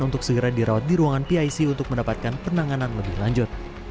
untuk segera dirawat di ruangan pic untuk mendapatkan penanganan lebih lanjut